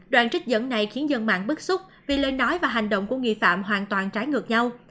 đoạn trích dẫn này khiến dân mạng bức xúc vì lời nói và hành động của nghi phạm hoàn toàn trái ngược nhau